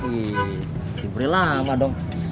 ih liburnya lama dong